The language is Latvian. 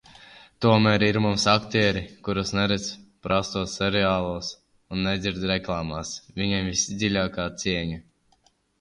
Tomēr ir mums aktieri, kurus neredz prastos seriālos un nedzird reklāmās. Viņiem visdziļākā cieņa.